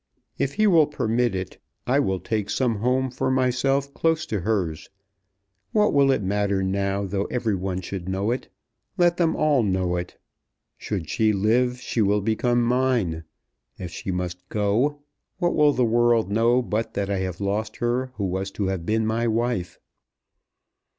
If he will permit it I will take some home for myself close to hers. What will it matter now, though every one should know it? Let them all know it. Should she live she will become mine. If she must go, what will the world know but that I have lost her who was to have been my wife?"